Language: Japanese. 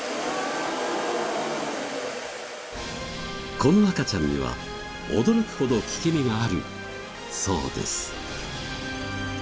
この赤ちゃんには驚くほど効き目があるそうです。